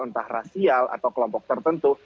entah rasial atau kelompok tertentu